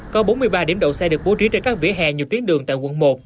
có bốn mươi ba điểm đầu xe được bố trí trên các vỉa hè nhiều tuyến đường tại quận một